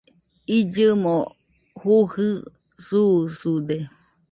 illɨmo jujɨ susude